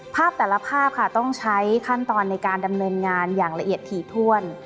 ภาพแต่ละภาพค่ะต้องใช้ขั้นตอนในการดำเนินงานอย่างละเอียดถี่ถ้วน